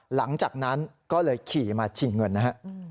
หลังจากนั้นก็เลยขี่มาชิงเงินนะฮะ